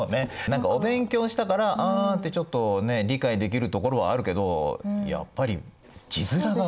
何かお勉強したから「あ」ってちょっと理解できるところはあるけどやっぱり字面が。